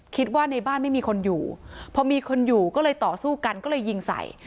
คิดว่าในบ้านไม่มีคนอยู่พอมีคนอยู่ก็เลยต่อสู้กันก็เลยยิงใส่